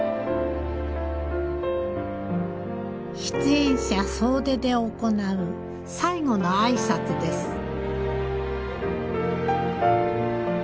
出演者総出で行う最後の挨拶です。